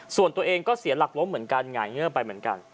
ส่วนตัวเองก็เสียหลักล้มเหมือนกันหงายเงื่อไปเหมือนกัน